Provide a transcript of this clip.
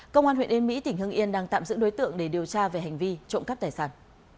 công an huyện yên mỹ tỉnh hưng yên đang tạm giữ đối tượng để điều tra về hành vi trộm cắp tài sản